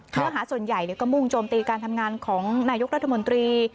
เนื้อหาส่วนใหญ่ก็มุ่งโจมตีการทำงานของนายกรัฐมนตรี